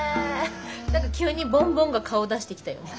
何か急にボンボンが顔出してきたよね。